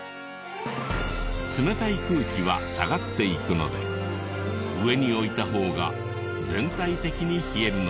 冷たい空気は下がっていくので上に置いた方が全体的に冷えるのです。